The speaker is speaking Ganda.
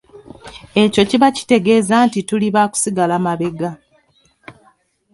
Ekyo kiba kitegeeza nti tuli ba kusigala mabega.